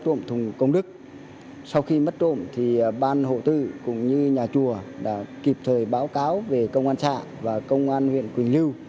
trộm thùng công đức sau khi mất trộm thì ban hộ tư cũng như nhà chùa đã kịp thời báo cáo về công an xã và công an huyện quỳnh lưu